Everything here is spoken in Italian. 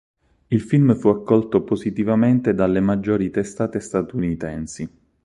Il film fu accolto positivamente dalle maggiori testate statunitensi.